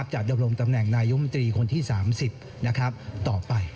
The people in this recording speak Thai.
ดำรงตำแหน่งนายมนตรีคนที่๓๐ต่อไป